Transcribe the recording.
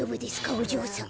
おじょうさま。